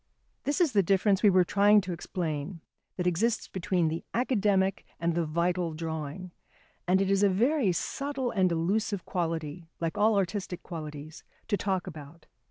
This is the difference we were trying to explain that exists between the academic and the vital drawing, and it is a very subtle and elusive quality, like all artistic qualities, to talk about.